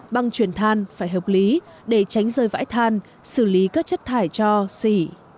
băng chuyển than phải hợp lý để tránh rơi vãi than xử lý các chất thải cho xỉ